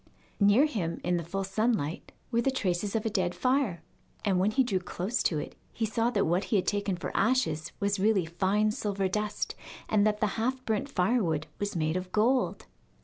Near him, in the full sunlight, were the traces of a dead fire, and when he drew close to it he saw that what he had taken for ashes was really fine silver dust, and that the half burnt firewood was made of gold.